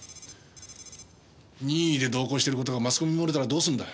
任意で同行してる事がマスコミに漏れたらどうするんだ。